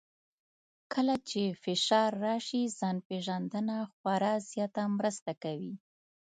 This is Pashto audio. کله چې فشار راشي، ځان پېژندنه خورا زیاته مرسته کوي.